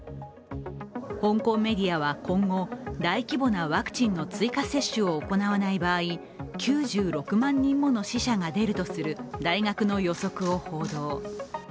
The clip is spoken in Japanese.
香港メディアは今後、大規模なワクチンの追加接種を行わない場合、９６万人もの死者が出るとする大学の予測を報道。